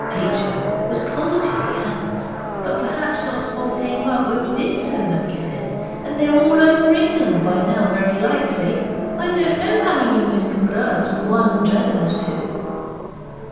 H. O. was positive he hadn't. 'But perhaps lots more came up where we did sow them,' he said; 'they're all over England by now very likely. I don't know how many men can grow out of one dragon's tooth.